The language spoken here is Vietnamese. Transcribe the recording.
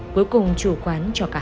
cuối cùng chủ quán cho cả hai